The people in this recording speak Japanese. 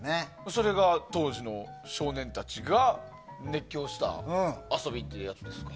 それが、当時の少年たちが熱狂した遊びということですか。